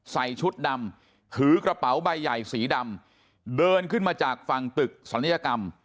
ใส่ชุดดำถือกระเป๋าใบใหญ่สีดำเดินขึ้นมาจากฝั่งตึกศัลยกรรม